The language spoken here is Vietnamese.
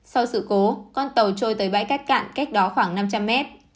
sau sự cố con tàu trôi tới bãi cắt cạn cách đó khoảng năm trăm linh m